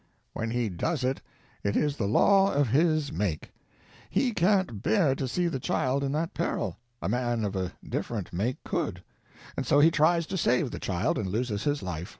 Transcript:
When he does it, it is the law of his make. He can't bear to see the child in that peril (a man of a different make could), and so he tries to save the child, and loses his life.